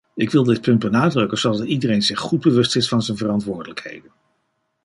Ik wil dit punt benadrukken zodat iedereen zich goed bewust is van zijn verantwoordelijkheden.